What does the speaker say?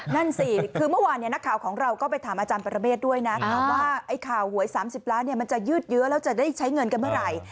นั่นสิคือเมื่อวานนักข่าวของเราก็ไปถามอาจารย์ปรเมฆด้วยนะว่าไอ้ข่าวหวย๓๐ล้านมันจะยืดเยอะแล้วจะได้ใช้เงินกันเมื่อไหร่